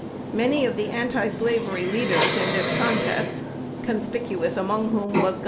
Many of the antislavery leaders in this contest conspicuous among whom was Gov.